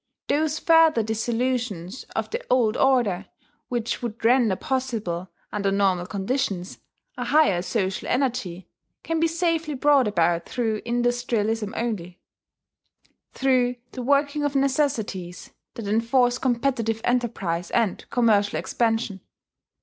Those further dissolutions of the old order which would render possible, under normal conditions, a higher social energy, can be safely brought about through industrialism only, through the working of necessities that enforce competitive enterprise and commercial expansion.